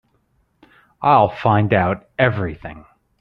I'll find out everything.